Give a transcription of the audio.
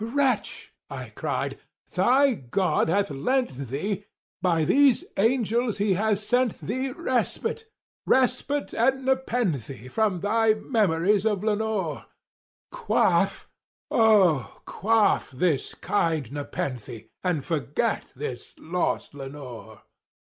"Wretch," I cried, "thy God hath lent thee—by these angels he hath sent thee Respite—respite and nepenthe from thy memories of Lenore; Quaff, oh quaff this kind nepenthe and forget this lost Lenore!"